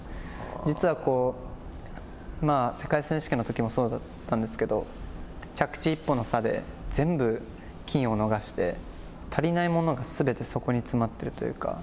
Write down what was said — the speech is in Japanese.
実は、世界選手権のときもそうだったんですけれども着地一本の差で全部、金を逃して足りないものがすべてそこに詰まっているというか。